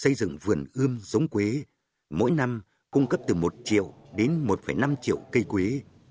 xây dựng vườn ươm giống quế mỗi năm cung cấp từ một triệu đến một năm triệu cây quế